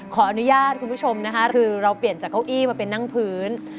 ขออนุญาตคุณผู้ชมนะคะคือเราเปลี่ยนจากเก้าอี้มาเป็นนั่งพื้น